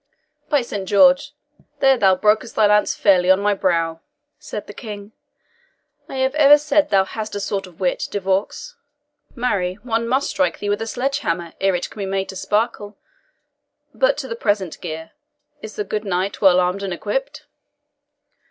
"By Saint George, there thou brokest thy lance fairly on my brow," said the King. "I have ever said thou hast a sort of wit, De Vaux; marry, one must strike thee with a sledge hammer ere it can be made to sparkle. But to the present gear is the good knight well armed and equipped?"